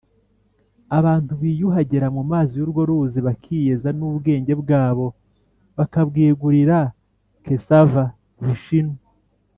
abantu biyuhagira mu mazi y’urwo ruzi bakiyeza n’ubwenge bwabo bakabwegurira kesava [vishinu]